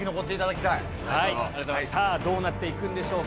さあ、どうなっていくんでしょうか。